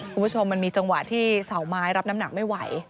คุณผู้ชมมันมีจังหวะที่เสาไม้รับน้ำหนักไม่ไหว